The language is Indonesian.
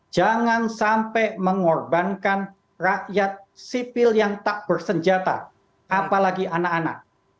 jangan sampai mengorbankan rakyat sipil yang tak bersenjata apalagi anak anak